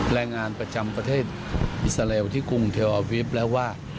แรงงานประจำประเทศอิสราเอลที่กรุงเทลอาวิฟต์แล้วว่า